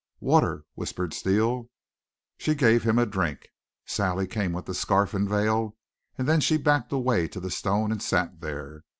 "Water!" whispered Steele. She gave him a drink. Sally came with the scarf and veil, and then she backed away to the stone, and sat there.